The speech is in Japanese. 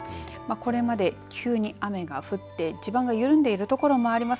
これまで急に雨が降って地盤が緩んでいるところもあります。